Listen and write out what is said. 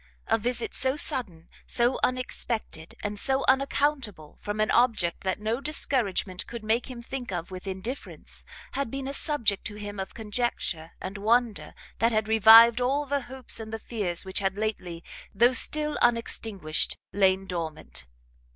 A visit so sudden, so unexpected, and so unaccountable, from an object that no discouragement could make him think of with indifference, had been a subject to him of conjecture and wonder that had revived all the hopes and the fears which had lately, though still unextinguished, lain dormant.